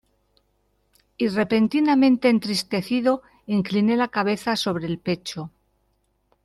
y repentinamente entristecido, incliné la cabeza sobre el pecho.